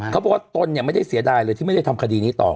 เขาบอกว่าตนเนี่ยไม่ได้เสียดายเลยที่ไม่ได้ทำคดีนี้ต่อ